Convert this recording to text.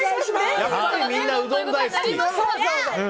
やっぱりみんな、うどん大好き。